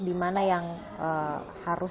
dimana yang harus